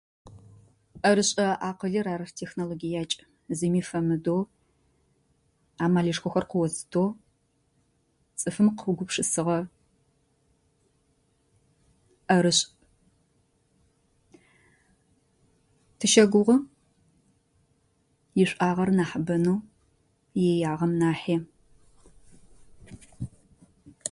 ӏэрышӏэ акъылыр ар техгологиякӏ. Зыми фэмыдэу, амалышхохэр къыозытэу, цӏыфым къыугупшысыгъэ ӏэрышӏ. Тыщэгугъы ишӏуагъэ нахьыбэнэу иеягъэм нахьи.